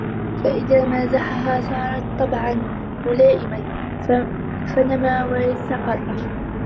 فَإِذَا مَازَحَهَا صَارَتْ طَبْعًا مُلَائِمًا فَنَمَا وَاسْتَقَرَّ